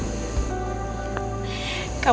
gak lagi lah tam